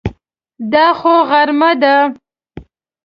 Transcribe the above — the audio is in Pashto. دا خو غرمه ده!